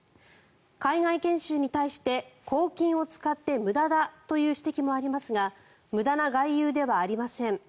海外研修に対して公金を使って無駄だという指摘もありますが無駄な外遊ではありません。